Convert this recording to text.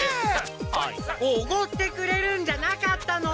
おごってくれるんじゃなかったの？